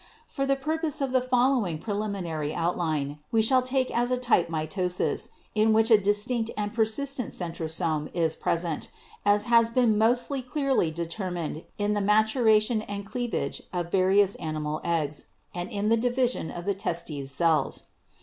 For the purpose of the following pre liminary outline, we shall take as a type mitosis in which a distinct and persistent centrosome is present, as has been mostly clearly determined in the maturation and cleavage of various animal eggs, and in the division of the testis cells.